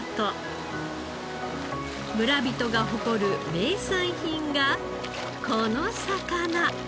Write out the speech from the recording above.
村人が誇る名産品がこの魚。